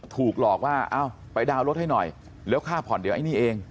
ถูกหลอกว่าเอ้าไปดาวน์รถให้หน่อยแล้วค่าผ่อนเดี๋ยวไอ้นี่เอง